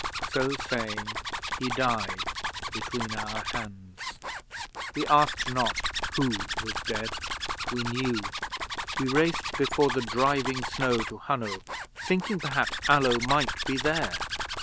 So saying, he died between our hands. 'We asked not who was dead. We knew! We raced before the driving snow to Hunno, thinking perhaps Allo might be there.